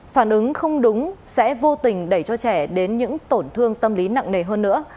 phản ứng không đúng sẽ vô tình đẩy cho trẻ đến những tổn thương tâm lý nặng nề hơn nữa